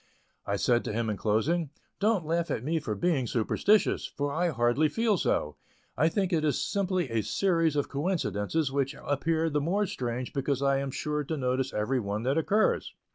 I said to him in closing: "Don't laugh at me for being superstitious, for I hardly feel so; I think it is simply a series of 'coincidences' which appear the more strange because I am sure to notice every one that occurs."